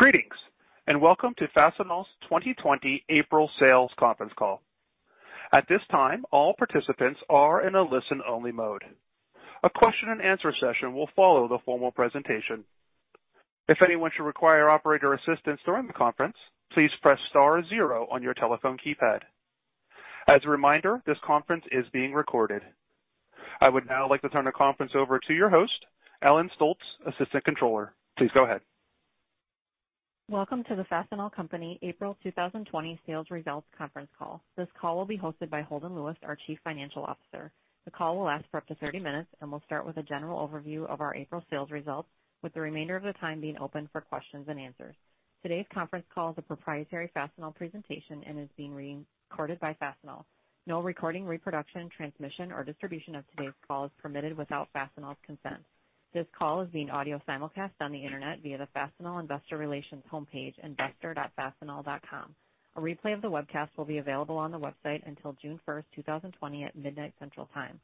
Greetings, and welcome to Fastenal's 2020 April Sales Conference Call. At this time, all participants are in a listen-only mode. A question and answer session will follow the formal presentation. If anyone should require operator assistance during the conference, please press star zero on your telephone keypad. As a reminder, this conference is being recorded. I would now like to turn the conference over to your host, Ellen Stolts, Assistant Controller. Please go ahead. Welcome to the Fastenal Company April 2020 Sales Results Conference Call. This call will be hosted by Holden Lewis, our Chief Financial Officer. The call will last for up to 30 minutes, and we'll start with a general overview of our April sales results, with the remainder of the time being open for questions and answers. Today's conference call is a proprietary Fastenal presentation and is being recorded by Fastenal. No recording, reproduction, transmission, or distribution of today's call is permitted without Fastenal's consent. This call is being audio simulcast on the internet via the Fastenal Investor Relations homepage, investor.fastenal.com. A replay of the webcast will be available on the website until June 1st, 2020, at midnight Central Time.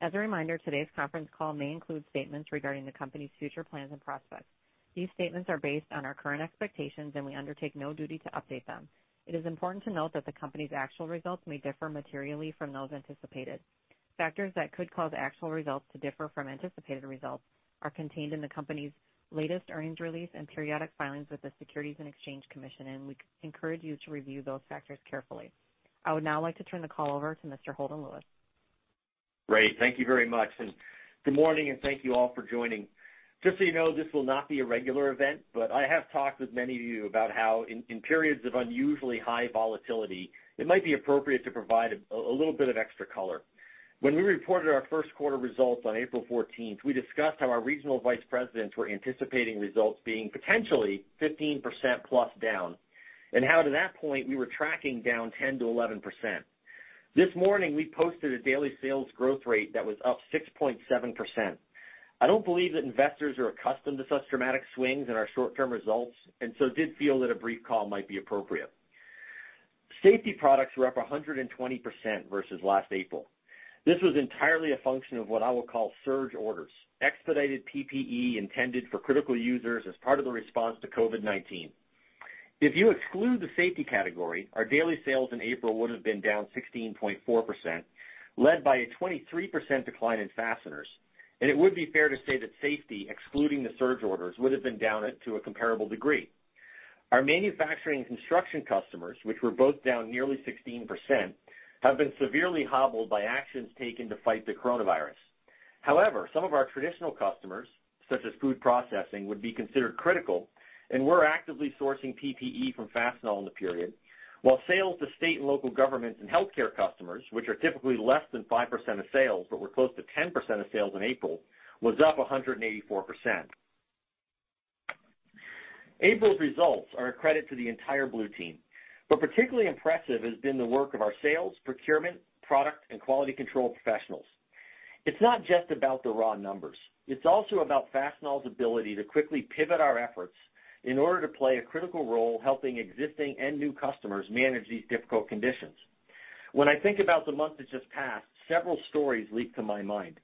As a reminder, today's conference call may include statements regarding the company's future plans and prospects. These statements are based on our current expectations, and we undertake no duty to update them. It is important to note that the company's actual results may differ materially from those anticipated. Factors that could cause actual results to differ from anticipated results are contained in the company's latest earnings release and periodic filings with the Securities and Exchange Commission, and we encourage you to review those factors carefully. I would now like to turn the call over to Mr. Holden Lewis. Great. Thank you very much, and good morning, and thank you all for joining. Just so you know, this will not be a regular event, but I have talked with many of you about how in periods of unusually high volatility, it might be appropriate to provide a little bit of extra color. When we reported our first quarter results on April 14th, we discussed how our regional vice presidents were anticipating results being potentially 15% plus down, and how at that point, we were tracking down 10%-11%. This morning, we posted a daily sales growth rate that was up 6.7%. I don't believe that investors are accustomed to such dramatic swings in our short-term results, and so did feel that a brief call might be appropriate. Safety products were up 120% versus last April. This was entirely a function of what I will call surge orders, expedited PPE intended for critical users as part of the response to COVID-19. If you exclude the safety category, our daily sales in April would have been down 16.4%, led by a 23% decline in fasteners, and it would be fair to say that safety, excluding the surge orders, would have been down to a comparable degree. Our manufacturing and construction customers, which were both down nearly 16%, have been severely hobbled by actions taken to fight the coronavirus. However, some of our traditional customers, such as food processing, would be considered critical and were actively sourcing PPE from Fastenal in the period, while sales to state and local governments and healthcare customers, which are typically less than 5% of sales but were close to 10% of sales in April, was up 184%. April's results are a credit to the entire Blue Team, but particularly impressive has been the work of our sales, procurement, product, and quality control professionals. It's not just about the raw numbers. It's also about Fastenal's ability to quickly pivot our efforts in order to play a critical role helping existing and new customers manage these difficult conditions. When I think about the month that just passed, several stories leap to my mind,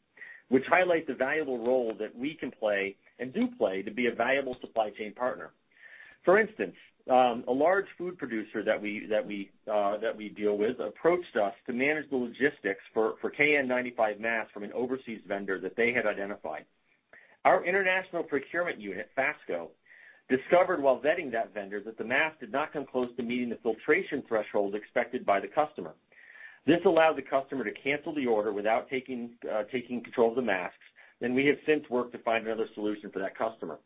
which highlight the valuable role that we can play and do play to be a valuable supply chain partner. For instance, a large food producer that we deal with approached us to manage the logistics for KN95 masks from an overseas vendor that they had identified. Our international procurement unit, FASTCO, discovered while vetting that vendor that the masks did not come close to meeting the filtration thresholds expected by the customer. This allowed the customer to cancel the order without taking control of the masks, and we have since worked to find another solution for that customer.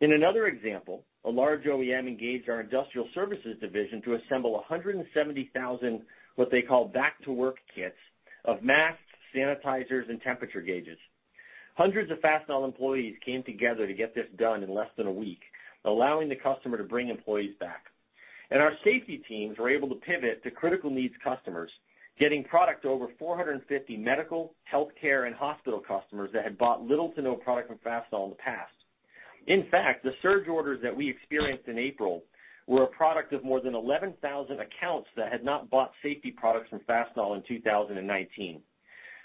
In another example, a large OEM engaged our industrial services division to assemble 170,000, what they call back-to-work kits of masks, sanitizers, and temperature gauges. Hundreds of Fastenal employees came together to get this done in less than a week, allowing the customer to bring employees back. Our safety teams were able to pivot to critical needs customers, getting product to over 450 medical, healthcare, and hospital customers that had bought little to no product from Fastenal in the past. In fact, the surge orders that we experienced in April were a product of more than 11,000 accounts that had not bought safety products from Fastenal in 2019.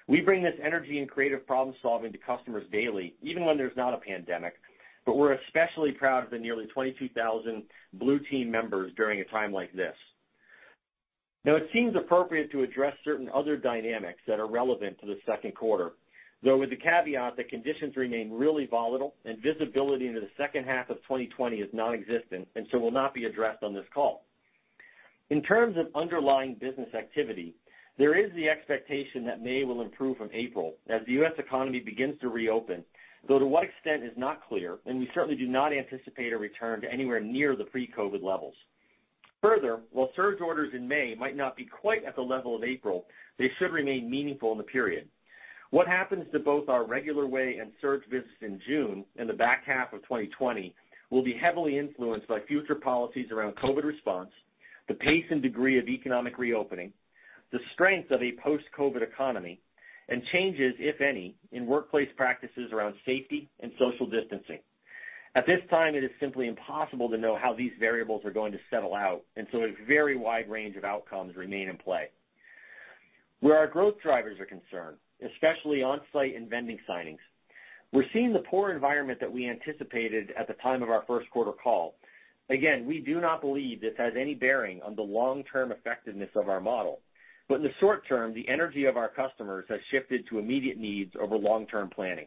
We bring this energy and creative problem-solving to customers daily, even when there's not a pandemic, but we're especially proud of the nearly 22,000 Blue Team members during a time like this. Now, it seems appropriate to address certain other dynamics that are relevant to the second quarter, though with the caveat that conditions remain really volatile and visibility into the second half of 2020 is nonexistent and so will not be addressed on this call. In terms of underlying business activity, there is the expectation that May will improve from April as the U.S. economy begins to reopen, though to what extent is not clear, and we certainly do not anticipate a return to anywhere near the pre-COVID levels. Further, while surge orders in May might not be quite at the level of April, they should remain meaningful in the period. What happens to both our regular way and surge business in June and the back half of 2020 will be heavily influenced by future policies around COVID response, the pace and degree of economic reopening, the strength of a post-COVID economy, and changes, if any, in workplace practices around safety and social distancing. At this time, it is simply impossible to know how these variables are going to settle out, and so a very wide range of outcomes remain in play. Where our growth drivers are concerned, especially on-site and vending signings, we're seeing the poor environment that we anticipated at the time of our first quarter call. Again, we do not believe this has any bearing on the long-term effectiveness of our model. In the short term, the energy of our customers has shifted to immediate needs over long-term planning.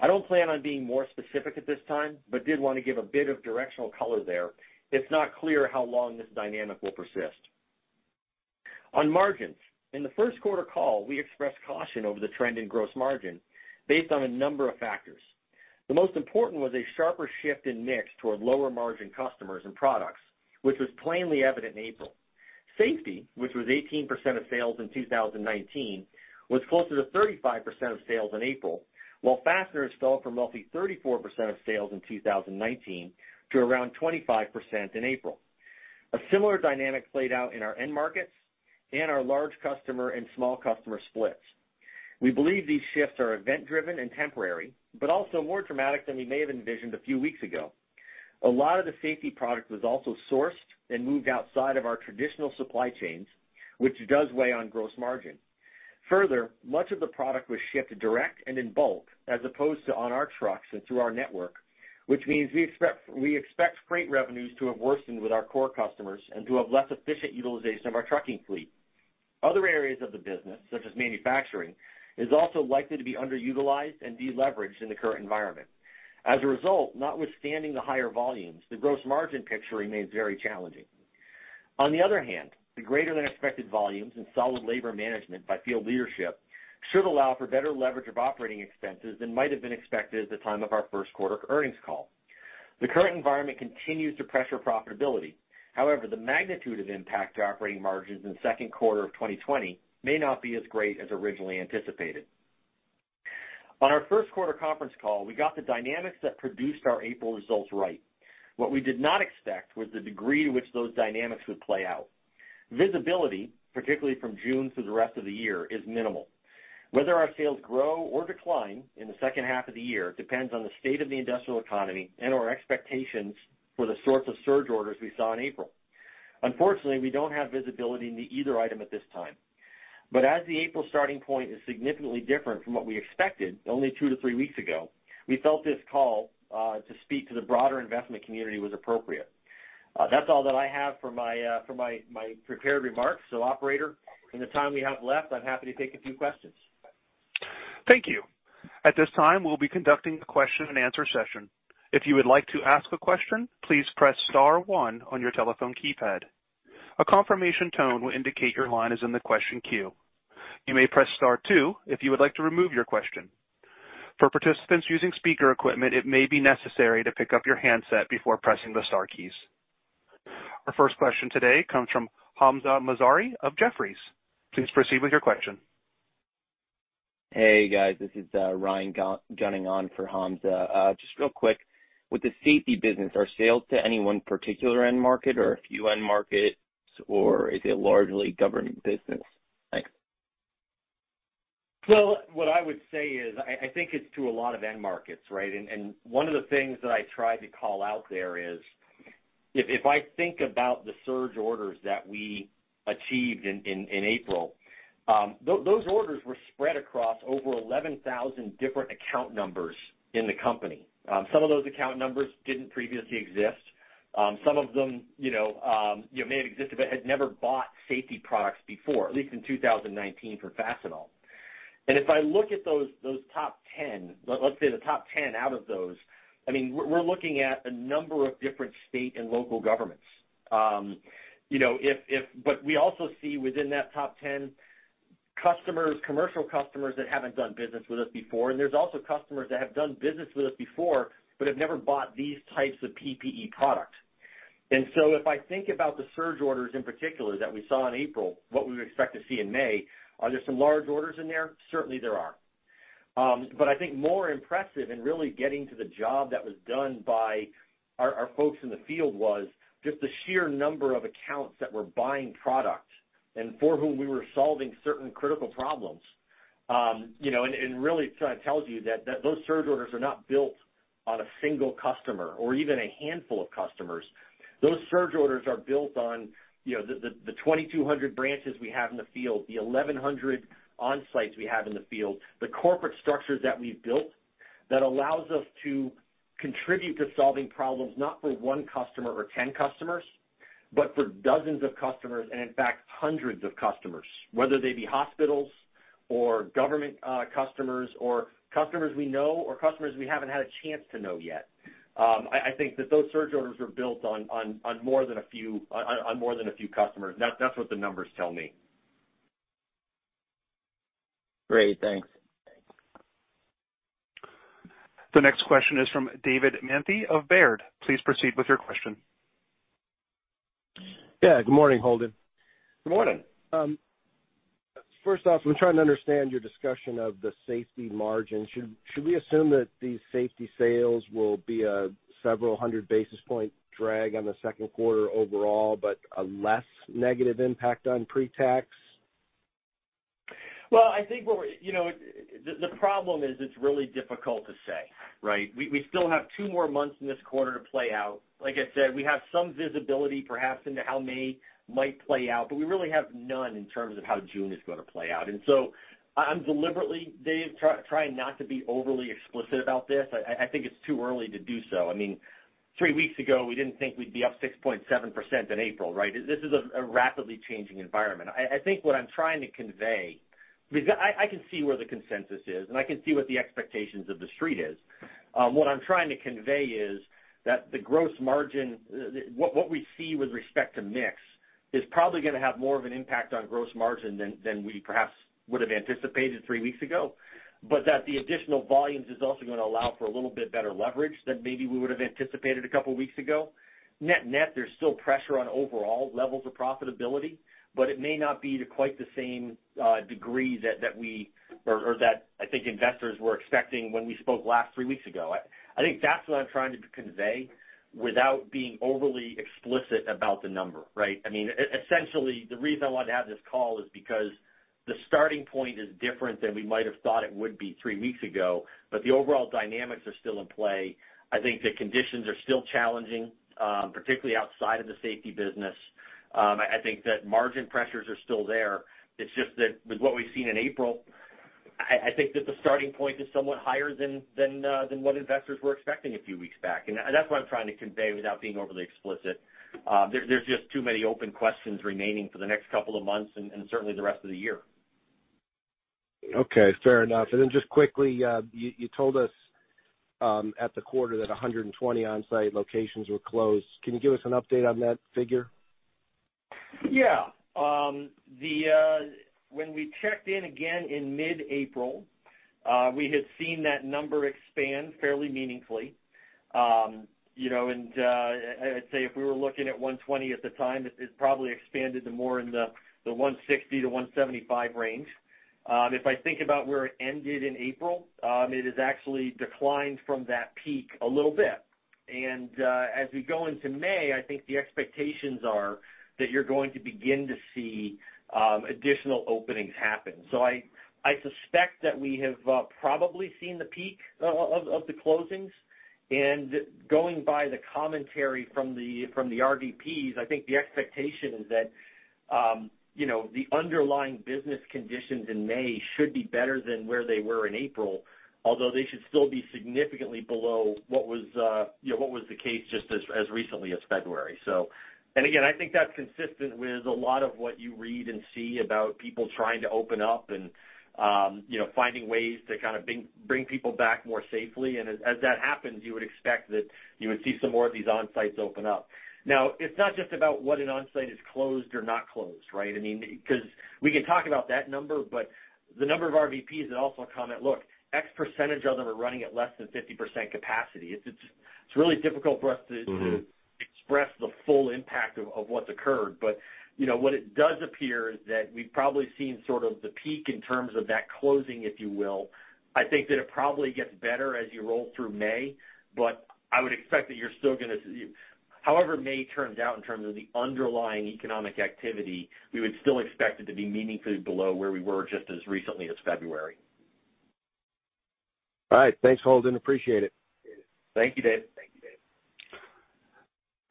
I don't plan on being more specific at this time, but did want to give a bit of directional color there. It's not clear how long this dynamic will persist. On margins, in the first quarter call, we expressed caution over the trend in gross margin based on a number of factors. The most important was a sharper shift in mix toward lower margin customers and products, which was plainly evident in April. Safety, which was 18% of sales in 2019, was closer to 35% of sales in April, while fastener installed from roughly 34% of sales in 2019 to around 25% in April. A similar dynamic played out in our end markets and our large customer and small customer splits. We believe these shifts are event-driven and temporary, but also more dramatic than we may have envisioned a few weeks ago. A lot of the safety product was also sourced and moved outside of our traditional supply chains, which does weigh on gross margin. Much of the product was shipped direct and in bulk, as opposed to on our trucks and through our network, which means we expect freight revenues to have worsened with our core customers and to have less efficient utilization of our trucking fleet. Other areas of the business, such as manufacturing, is also likely to be underutilized and de-leveraged in the current environment. Notwithstanding the higher volumes, the gross margin picture remains very challenging. The greater-than-expected volumes and solid labor management by field leadership should allow for better leverage of operating expenses than might have been expected at the time of our first quarter earnings call. The current environment continues to pressure profitability. The magnitude of impact to operating margins in the second quarter of 2020 may not be as great as originally anticipated. On our first quarter conference call, we got the dynamics that produced our April results right. What we did not expect was the degree to which those dynamics would play out. Visibility, particularly from June through the rest of the year, is minimal. Whether our sales grow or decline in the second half of the year depends on the state of the industrial economy and our expectations for the sorts of surge orders we saw in April. Unfortunately, we don't have visibility into either item at this time. As the April starting point is significantly different from what we expected only two to three weeks ago, we felt this call, to speak to the broader investment community, was appropriate. That's all that I have for my prepared remarks. Operator, in the time we have left, I'm happy to take a few questions. Thank you. At this time, we'll be conducting a question and answer session. If you would like to ask a question, please press star one on your telephone keypad. A confirmation tone will indicate your line is in the question queue. You may press star two if you would like to remove your question. For participants using speaker equipment, it may be necessary to pick up your handset before pressing the star keys. Our first question today comes from Hamzah Mazari of Jefferies. Please proceed with your question. Hey, guys, this is Ryan Gunning on for Hamzah. Just real quick, with the safety business, are sales to any one particular end market or a few end markets, or is it largely government business? Thanks. What I would say is, I think it's to a lot of end markets, right? One of the things that I tried to call out there is, if I think about the surge orders that we achieved in April, those orders were spread across over 11,000 different account numbers in the company. Some of those account numbers didn't previously exist. Some of them may have existed but had never bought safety products before, at least in 2019 for Fastenal. If I look at those top 10, let's say the top 10 out of those, we're looking at a number of different state and local governments. We also see within that top 10 commercial customers that haven't done business with us before, and there's also customers that have done business with us before but have never bought these types of PPE products. If I think about the surge orders in particular that we saw in April, what we would expect to see in May, are there some large orders in there? Certainly, there are. I think more impressive and really getting to the job that was done by our folks in the field was just the sheer number of accounts that were buying product and for whom we were solving certain critical problems. Really, it kind of tells you that those surge orders are not built on a single customer or even a handful of customers. Those surge orders are built on the 2,200 branches we have in the field, the 1,100 on-sites we have in the field, the corporate structures that we've built that allows us to contribute to solving problems, not for one customer or 10 customers, but for dozens of customers, and in fact, hundreds of customers, whether they be hospitals or government customers, or customers we know, or customers we haven't had a chance to know yet. I think that those surge orders were built on more than a few customers. That's what the numbers tell me. Great. Thanks. The next question is from David Manthey of Baird. Please proceed with your question. Yeah, good morning, Holden. Good morning. First off, I'm trying to understand your discussion of the safety margin. Should we assume that these safety sales will be a several hundred basis point drag on the second quarter overall, but a less negative impact on pre-tax? I think the problem is it's really difficult to say, right? We still have two more months in this quarter to play out. Like I said, we have some visibility perhaps into how May might play out, but we really have none in terms of how June is going to play out. I'm deliberately, Dave, trying not to be overly explicit about this. I think it's too early to do so. Three weeks ago, we didn't think we'd be up 6.7% in April, right? This is a rapidly changing environment. I can see where the consensus is, and I can see what the expectations of The Street is. What I'm trying to convey is that the gross margin, what we see with respect to mix, is probably going to have more of an impact on gross margin than we perhaps would have anticipated three weeks ago. That the additional volumes is also going to allow for a little bit better leverage than maybe we would have anticipated a couple of weeks ago. Net-net, there's still pressure on overall levels of profitability, but it may not be to quite the same degree that I think investors were expecting when we spoke last three weeks ago. I think that's what I'm trying to convey without being overly explicit about the number, right? Essentially, the reason I wanted to have this call is because the starting point is different than we might have thought it would be three weeks ago, but the overall dynamics are still in play. I think the conditions are still challenging, particularly outside of the safety business. I think that margin pressures are still there. It's just that with what we've seen in April, I think that the starting point is somewhat higher than what investors were expecting a few weeks back. That's what I'm trying to convey without being overly explicit. There's just too many open questions remaining for the next couple of months and certainly the rest of the year. Okay, fair enough. Just quickly, you told us at the quarter that 120 onsite locations were closed. Can you give us an update on that figure? When we checked in again in mid-April, we had seen that number expand fairly meaningfully. I'd say if we were looking at 120 at the time, it probably expanded to more in the 160-175 range. If I think about where it ended in April, it has actually declined from that peak a little bit. As we go into May, I think the expectations are that you're going to begin to see additional openings happen. I suspect that we have probably seen the peak of the closings. Going by the commentary from the RVPs, I think the expectation is that the underlying business conditions in May should be better than where they were in April, although they should still be significantly below what was the case just as recently as February. Again, I think that's consistent with a lot of what you read and see about people trying to open up and finding ways to kind of bring people back more safely. As that happens, you would expect that you would see some more of these onsites open up. Now, it's not just about whether an onsite is closed or not closed, right? Because we can talk about that number, but the number of RVPs that also comment, "Look, X percentage of them are running at less than 50% capacity." It's really difficult for us to- express the full impact of what's occurred. What it does appear is that we've probably seen sort of the peak in terms of that closing, if you will. I think that it probably gets better as you roll through May, but I would expect that however May turns out in terms of the underlying economic activity, we would still expect it to be meaningfully below where we were just as recently as February. All right. Thanks, Holden. Appreciate it. Thank you, David.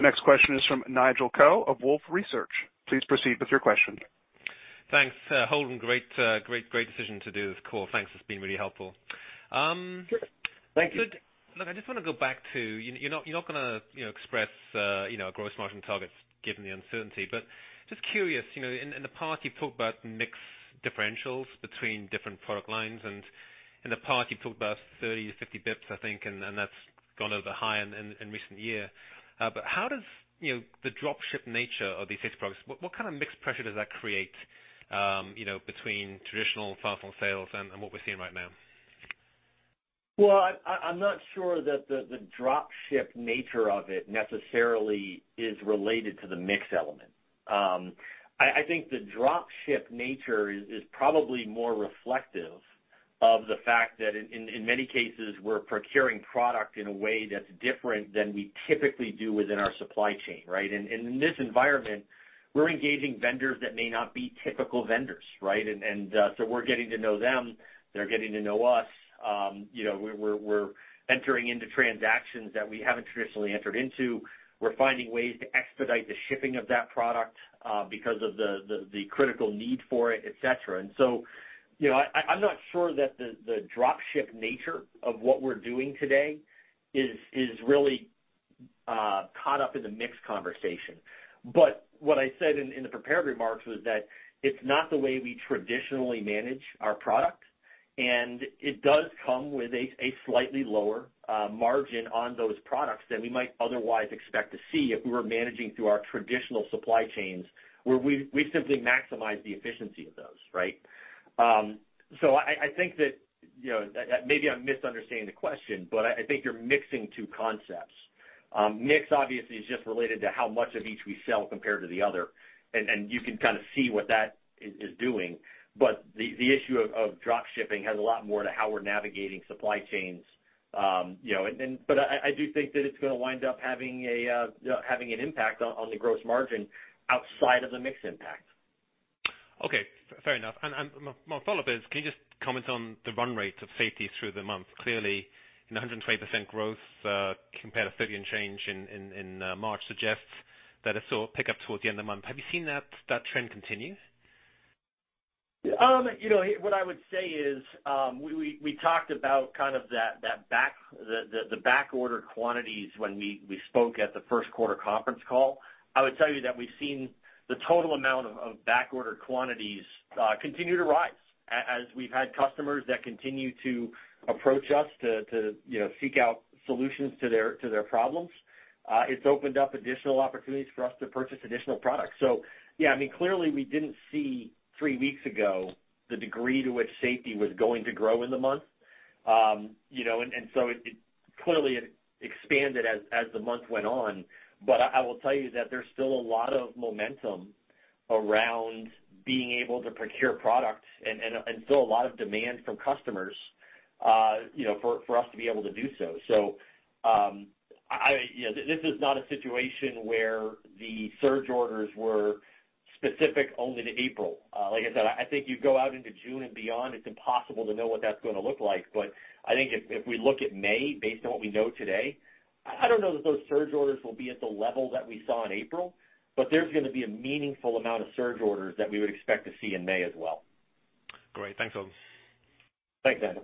Next question is from Nigel Coe of Wolfe Research. Please proceed with your question. Thanks, Holden. Great decision to do this call. Thanks. It's been really helpful. Sure. Thank you. Look, I just want to go back to, you're not going to express gross margin targets given the uncertainty. Just curious. In the past, you've talked about mix differentials between different product lines, and in the past, you've talked about 30-50 basis points, I think, and that's gone over high in recent year. How does the drop ship nature of these safety products, what kind of mix pressure does that create between traditional Fastenal sales and what we're seeing right now? Well, I'm not sure that the drop ship nature of it necessarily is related to the mix element. I think the drop ship nature is probably more reflective of the fact that in many cases, we're procuring product in a way that's different than we typically do within our supply chain, right? In this environment, we're engaging vendors that may not be typical vendors, right? We're getting to know them. They're getting to know us. We're entering into transactions that we haven't traditionally entered into. We're finding ways to expedite the shipping of that product because of the critical need for it, et cetera. I'm not sure that the drop ship nature of what we're doing today is really caught up in the mix conversation. What I said in the prepared remarks was that it's not the way we traditionally manage our product, and it does come with a slightly lower margin on those products than we might otherwise expect to see if we were managing through our traditional supply chains, where we simply maximize the efficiency of those, right? I think that maybe I'm misunderstanding the question, but I think you're mixing two concepts. Mix obviously is just related to how much of each we sell compared to the other, and you can kind of see what that is doing. The issue of drop shipping has a lot more to how we're navigating supply chains. I do think that it's going to wind up having an impact on the gross margin outside of the mix impact. Okay, fair enough. My follow-up is, can you just comment on the run rate of safety through the month? Clearly, 120% growth compared to 30 and change in March suggests that it saw a pickup towards the end of the month. Have you seen that trend continue? What I would say is, we talked about kind of the backorder quantities when we spoke at the first quarter conference call. I would tell you that we've seen the total amount of backorder quantities continue to rise as we've had customers that continue to approach us to seek out solutions to their problems. It's opened up additional opportunities for us to purchase additional products. Yeah, clearly we didn't see three weeks ago the degree to which safety was going to grow in the month. Clearly it expanded as the month went on. I will tell you that there's still a lot of momentum around being able to procure products and still a lot of demand from customers for us to be able to do so. This is not a situation where the surge orders were specific only to April. Like I said, I think you go out into June and beyond, it's impossible to know what that's going to look like. I think if we look at May based on what we know today, I don't know that those surge orders will be at the level that we saw in April, but there's going to be a meaningful amount of surge orders that we would expect to see in May as well. Great. Thanks, Holden. Thanks, Nigel.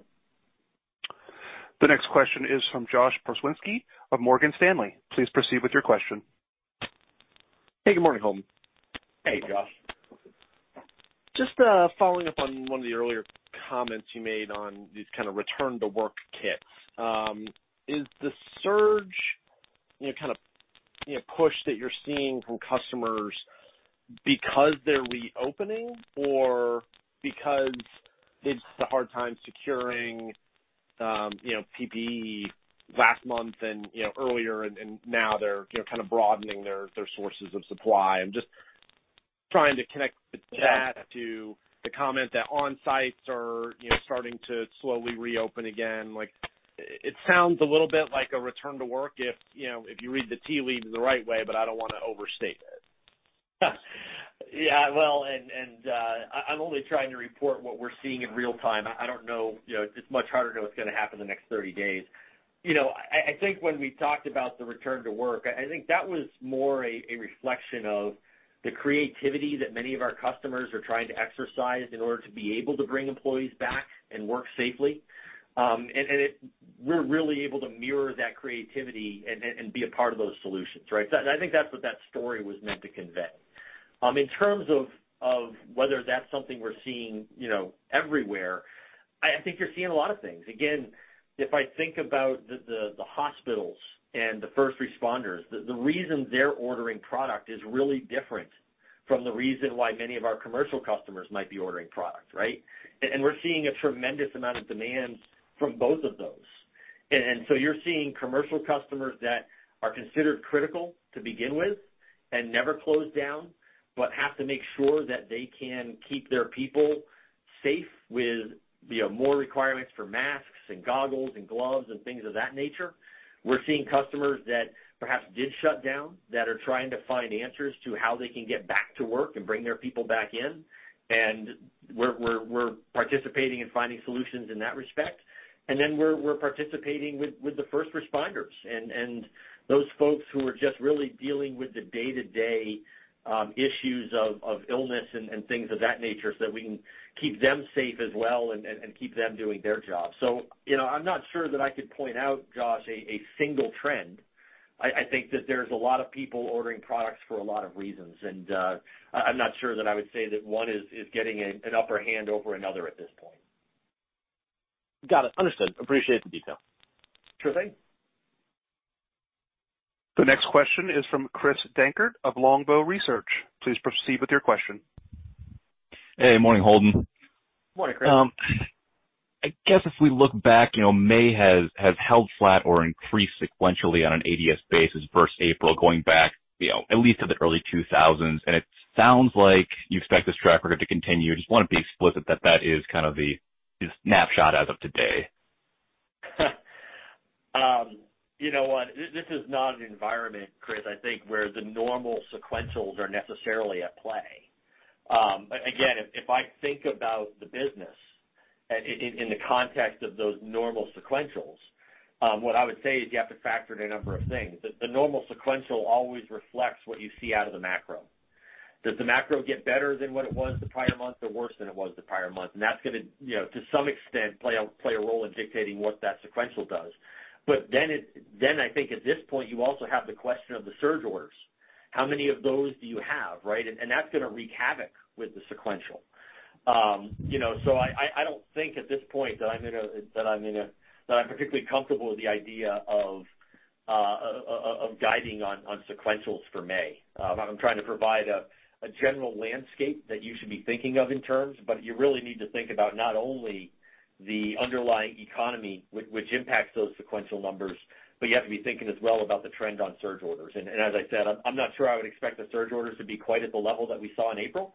The next question is from Josh Pokrzywinski of Morgan Stanley. Please proceed with your question. Hey, good morning, Holden. Hey, Josh. Just following up on one of the earlier comments you made on these kind of return-to-work kits. Is the surge kind of push that you're seeing from customers because they're reopening or because it's the hard time securing PPE last month and earlier and now they're kind of broadening their sources of supply? I'm just trying to connect the dot to the comment that on-sites are starting to slowly reopen again. It sounds a little bit like a return to work if you read the tea leaves the right way, but I don't want to overstate it. Well, I'm only trying to report what we're seeing in real-time. It's much harder to know what's going to happen the next 30 days. I think when we talked about the return to work, I think that was more a reflection of the creativity that many of our customers are trying to exercise in order to be able to bring employees back and work safely. We're really able to mirror that creativity and be a part of those solutions, right? I think that's what that story was meant to convey. In terms of whether that's something we're seeing everywhere, I think you're seeing a lot of things. Again, if I think about the hospitals and the first responders, the reason they're ordering product is really different from the reason why many of our commercial customers might be ordering product, right? We're seeing a tremendous amount of demand from both of those. You're seeing commercial customers that are considered critical to begin with and never closed down, but have to make sure that they can keep their people safe with more requirements for masks and goggles and gloves and things of that nature. We're seeing customers that perhaps did shut down, that are trying to find answers to how they can get back to work and bring their people back in, and we're participating in finding solutions in that respect. We're participating with the first responders and those folks who are just really dealing with the day-to-day issues of illness and things of that nature so that we can keep them safe as well and keep them doing their job. I'm not sure that I could point out, Josh, a single trend. I think that there's a lot of people ordering products for a lot of reasons, and I'm not sure that I would say that one is getting an upper hand over another at this point. Got it. Understood. Appreciate the detail. Sure thing. The next question is from Chris Dankert of Longbow Research. Please proceed with your question. Hey. Morning, Holden. Morning, Chris. I guess if we look back, May has held flat or increased sequentially on an ADS basis versus April going back at least to the early 2000s, and it sounds like you expect this track record to continue. I just want to be explicit that that is kind of the snapshot as of today. You know what? This is not an environment, Chris, I think where the normal sequentials are necessarily at play. If I think about the business in the context of those normal sequentials, what I would say is you have to factor in a number of things. The normal sequential always reflects what you see out of the macro. Does the macro get better than what it was the prior month or worse than it was the prior month? That's going to some extent, play a role in dictating what that sequential does. I think at this point, you also have the question of the surge orders. How many of those do you have, right? That's going to wreak havoc with the sequential. I don't think at this point that I'm particularly comfortable with the idea of guiding on sequentials for May. I'm trying to provide a general landscape that you should be thinking of in terms, but you really need to think about not only the underlying economy, which impacts those sequential numbers, but you have to be thinking as well about the trend on surge orders. As I said, I'm not sure I would expect the surge orders to be quite at the level that we saw in April.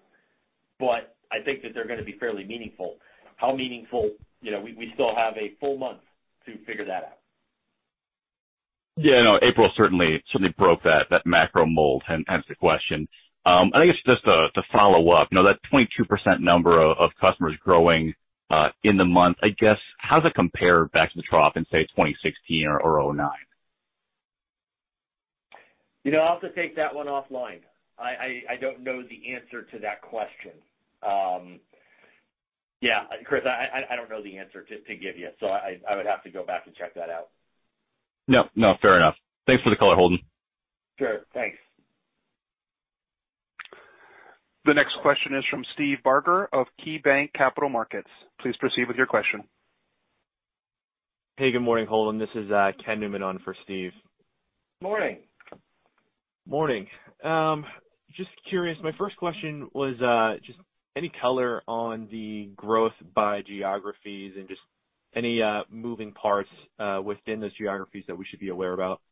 I think that they're going to be fairly meaningful. How meaningful? We still have a full month to figure that out. Yeah, I know April certainly broke that macro mold, hence the question. I guess just to follow up, that 22% number of customers growing in the month, I guess, how does it compare back to the trough in, say, 2016 or 2009? I'll have to take that one offline. I don't know the answer to that question. Yeah, Chris, I don't know the answer to give you, so I would have to go back and check that out. No, fair enough. Thanks for the color, Holden. Sure. Thanks. The next question is from Steve Barger of KeyBanc Capital Markets. Please proceed with your question. Hey, good morning, Holden. This is Ken Newman on for Steve. Morning. Morning. Just curious, my first question was just any color on the growth by geographies and just any moving parts within those geographies that we should be aware about?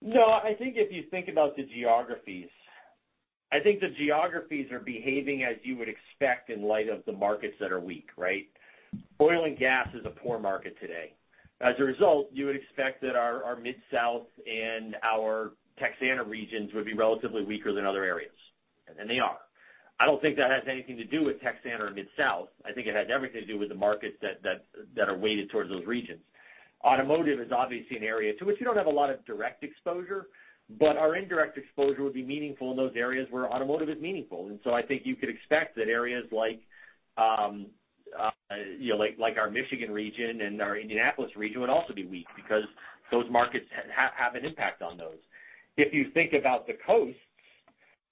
No, I think if you think about the geographies, I think the geographies are behaving as you would expect in light of the markets that are weak, right? Oil and gas is a poor market today. As a result, you would expect that our Mid-South and our Texana regions would be relatively weaker than other areas, and they are. I don't think that has anything to do with Texana or Mid-South. I think it has everything to do with the markets that are weighted towards those regions. Automotive is obviously an area to which we don't have a lot of direct exposure, but our indirect exposure would be meaningful in those areas where automotive is meaningful. I think you could expect that areas like our Michigan region and our Indianapolis region would also be weak because those markets have an impact on those. If you think about the coasts,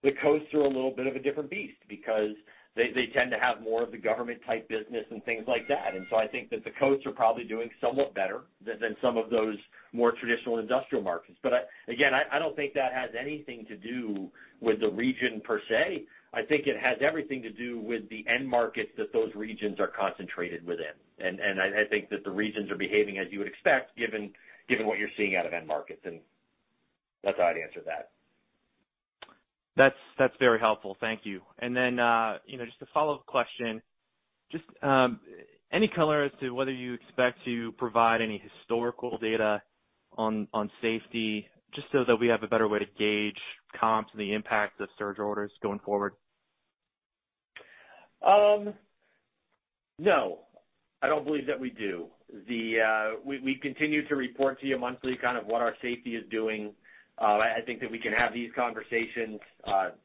the coasts are a little bit of a different beast because they tend to have more of the government type business and things like that. I think that the coasts are probably doing somewhat better than some of those more traditional industrial markets. Again, I don't think that has anything to do with the region per se. I think it has everything to do with the end markets that those regions are concentrated within. I think that the regions are behaving as you would expect given what you're seeing out of end markets, and that's how I'd answer that. That's very helpful. Thank you. Then just a follow-up question. Just any color as to whether you expect to provide any historical data on safety, just so that we have a better way to gauge comp to the impact of surge orders going forward? No, I don't believe that we do. We continue to report to you monthly kind of what our safety is doing. I think that we can have these conversations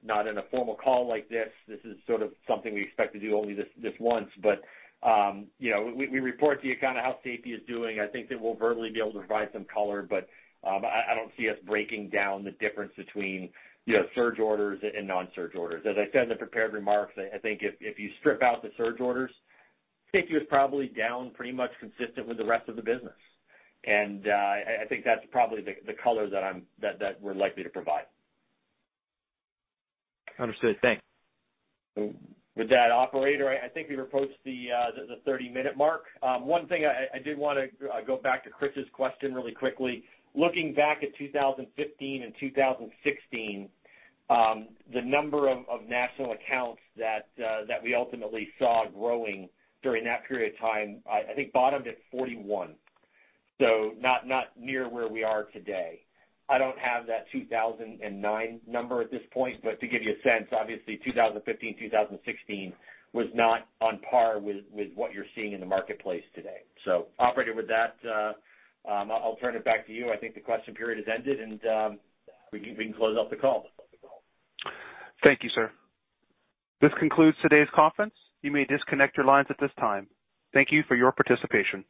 not in a formal call like this. This is sort of something we expect to do only this once. We report to you kind of how safety is doing. I think that we'll verbally be able to provide some color, but I don't see us breaking down the difference between surge orders and non-surge orders. As I said in the prepared remarks, I think if you strip out the surge orders, safety is probably down pretty much consistent with the rest of the business. I think that's probably the color that we're likely to provide. Understood. Thanks. With that, operator, I think we were approached the 30-minute mark. One thing I did want to go back to Chris's question really quickly. Looking back at 2015 and 2016, the number of national accounts that we ultimately saw growing during that period of time, I think bottomed at 41. Not near where we are today. I don't have that 2009 number at this point, but to give you a sense, obviously 2015, 2016 was not on par with what you're seeing in the marketplace today. Operator, with that, I'll turn it back to you. I think the question period has ended, and we can close out the call. Thank you, sir. This concludes today's conference. You may disconnect your lines at this time. Thank you for your participation.